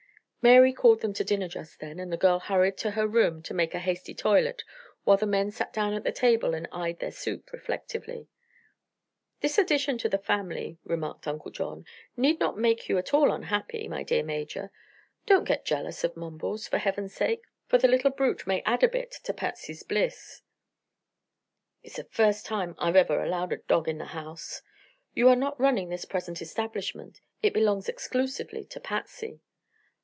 Mary called them to dinner just then, and the girl hurried to her room to make a hasty toilet while the men sat down at the table and eyed their soup reflectively. "This addition to the family," remarked Uncle John, "need not make you at all unhappy, my dear Major. Don't get jealous of Mumbles, for heaven's sake, for the little brute may add a bit to Patsy's bliss." "It's the first time I've ever allowed a dog in the house." "You are not running this present establishment. It belongs exclusively to Patsy."